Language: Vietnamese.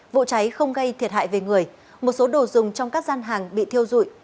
vụ cháy không gây thiệt hại về người một số đồ dùng trong các gian hàng bị thiêu dụi